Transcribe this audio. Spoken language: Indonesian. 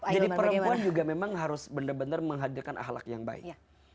jadi perempuan juga memang harus benar benar menghadirkan ahlak yang baik